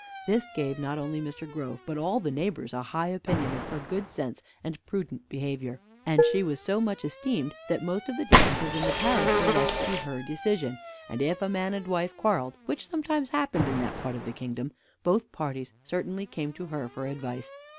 This gave not only Mr. Grove, but all the neighbors, a high opinion of her good sense and prudent behavior; and she was so much esteemed that the most of the differences in the parish were left to her decision; and if a man and wife quarreled (which sometimes happened in that part of the kingdom), both parties certainly came to her for advice.